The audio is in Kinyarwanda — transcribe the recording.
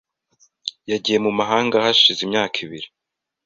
Yagiye mu mahanga hashize imyaka ibiri .